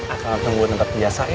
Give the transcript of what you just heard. aku akan tunggu di tempat biasa ya